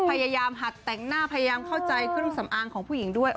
พยายามหัดแต่งหน้าพยายามเข้าใจเครื่องสำอางของผู้หญิงด้วย